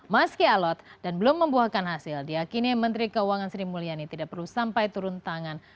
meski alot dan belum membuahkan hasil diakini menteri keuangan sri mulyani tidak perlu sampai turun tangan